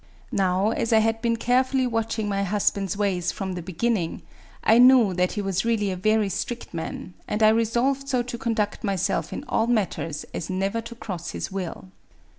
Now as I had been carefully watching my husband's ways from the beginning, I knew that he was really a very strict man, and I resolved so to conduct myself in all mat ters as never to cross his will.